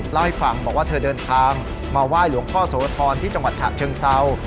เล่าให้ฟังบอกว่าเธอเดินทางมาไหว้หลวงพ่อโสธรที่จังหวัดฉะเชิงเศร้า